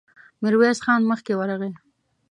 ميرويس خان مخکې ورغی.